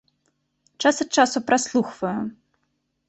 Час ад часу праслухваю.